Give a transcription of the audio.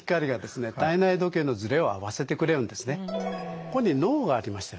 実はここに脳がありましたよね。